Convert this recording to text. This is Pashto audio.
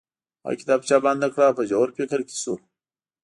هغه کتابچه بنده کړه او په ژور فکر کې شو